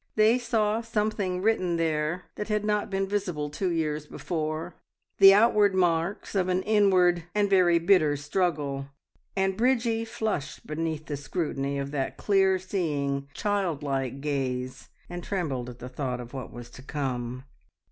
They saw something written there that had not been visible two years before the outward marks of an inward, and very bitter struggle, and Bridgie flushed beneath the scrutiny of that clear seeing, childlike gaze, and trembled at the thought of what was to come.